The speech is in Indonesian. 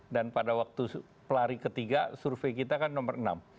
dan pada waktu pelari ketiga survei kita kan nomor enam